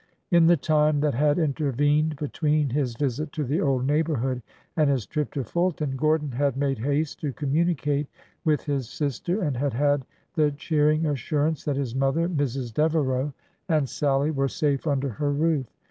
In the time that had intervened between his visit to the old neighborhood and his trip to Fulton, Gordon had made haste to communicate with his sister, and had had the cheering assurance that his mother, Mrs. Devereau, FORTY YEARS AGO 347 and Sallie were safe under her roof.